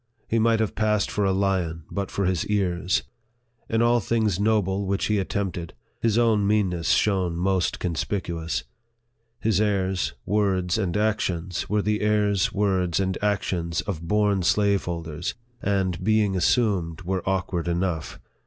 He might have passed for a lion, but for his ears. In all things noble which he attempted, his own meanness shone most conspicuous. His airs, words, and actions, were the airs, words, and actions of born slaveholders, and, being assumed, were awkward enough.